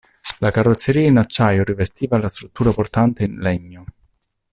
La carrozzeria in acciaio rivestiva la struttura portante in legno.